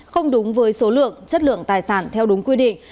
không đúng với số lượng chất lượng tài sản theo đúng quy định